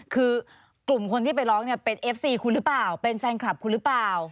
คือกลุ่มคนที่ไปร้องเนี่ยเป็นเอฟซีคุณหรือเปล่าเป็นแฟนคลับคุณหรือเปล่า